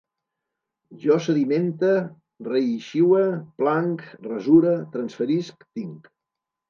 Jo sedimente, reixiue, planc, rasure, transferisc, tinc